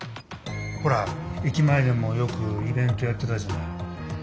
ほら駅前でもよくイベントやってたじゃない。